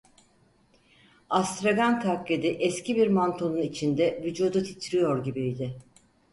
Astragan taklidi eski bir mantonun içinde vücudu titriyor gibiydi.